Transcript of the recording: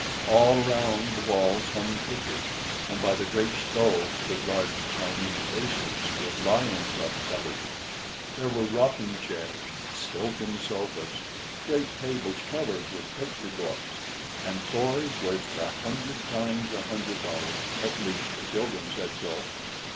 All around the walls hung pictures, and by the great stove stood large Chinese vases with lions on the covers; there were rocking chairs, silken sofas, great tables covered with picture books, and toys worth a hundred times a hundred dollars, at least the children said so.